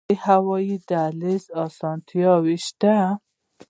د هوایی دهلیز اسانتیاوې شته؟